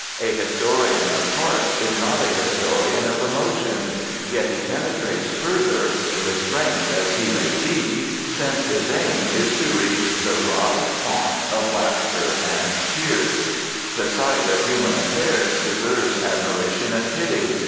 A historian of hearts is not a historian of emotions, yet he penetrates further, restrained as he may be, since his aim is to reach the wry fount of laughter and tears. The sight of human affairs deserves admiration and pity.